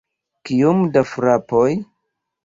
Kiom da frapoj?